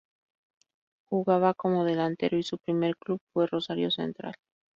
Jugaba como delantero y su primer club fue Rosario Central.